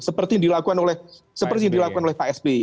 seperti yang dilakukan oleh pak sby